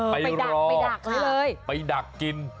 ไปรอไปดักกิน